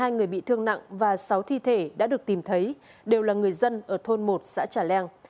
hai người bị thương nặng và sáu thi thể đã được tìm thấy đều là người dân ở thôn một xã trà leng